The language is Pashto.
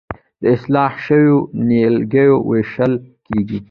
د اصلاح شویو نیالګیو ویشل کیږي.